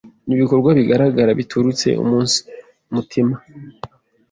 n’ibikorwa bigaragara biturutse umunsi mutima